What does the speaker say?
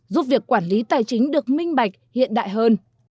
giúp việc quản lý tài chính được minh bạch hiện đại hơn